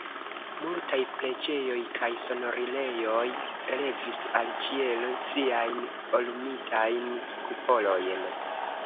Multaj preĝejoj kaj sonorilejoj levis al ĉielo siajn orumitajn kupolojn.